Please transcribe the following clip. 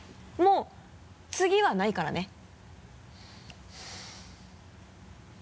もう次はないからね。